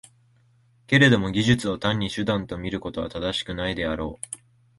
けれども技術を単に手段と見ることは正しくないであろう。